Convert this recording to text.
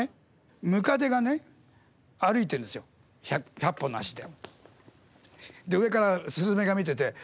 １００本の足で。